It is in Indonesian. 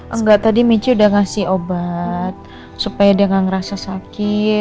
enggak tadi michi udah ngasih obat supaya dia gak ngerasa sakit